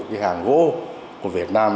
cái hàng gỗ của việt nam